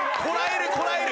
こらえる！